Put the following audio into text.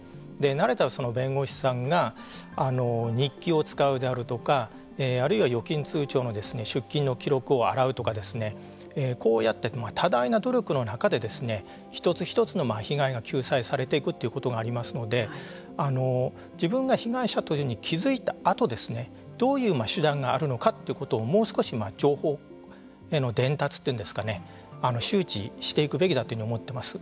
慣れた弁護士さんは日記を使うであるとかあるいは預金通帳の出金の記録を洗うとかこうやって多大な努力の中で一つ一つの被害が救済されていくということがありますので自分が被害者というふうに気付いたあとどういう手段があるのかということをもう少し情報への伝達というんですかね周知していくべきだと思っています。